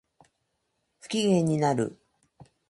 不機嫌になる